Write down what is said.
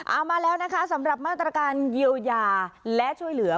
เอามาแล้วนะคะสำหรับมาตรการเยียวยาและช่วยเหลือ